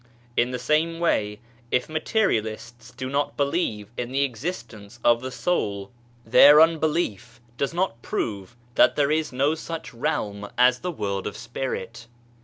In the same way, if materialists do not believe in the existence of the Soul, their unbelief does not prove that EVOLUTION OF THE SPIRIT 85 there is no such realm as the World of Spirit.